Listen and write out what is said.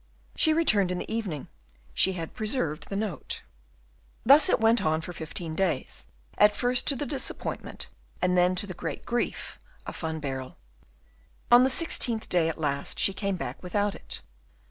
She returned in the evening. She had preserved the note. Thus it went on for fifteen days, at first to the disappointment, and then to the great grief, of Van Baerle. On the sixteenth day, at last, she came back without it.